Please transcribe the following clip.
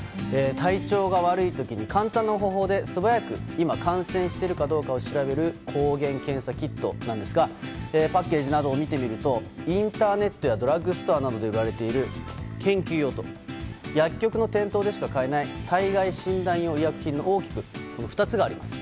体調が悪い時に簡単な方法で素早く今感染しているかどうかを調べる抗原検査キットですがパッケージなどを見てみるとインターネットやドラッグストアなどで売られている研究用と薬局の店頭でしか買えない体外診断用医薬品の大きく２つがあります。